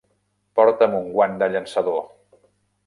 Porta'm un guant de llançador!